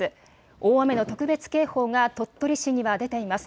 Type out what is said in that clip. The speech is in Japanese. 大雨の特別警報が鳥取市には出ています。